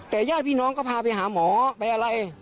แต่ญาติพี่น้องก็พาไปหาหมอไปอะไร